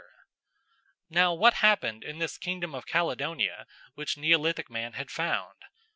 ] Now what happened in this kingdom of Caledonia which Neolithic Man had found?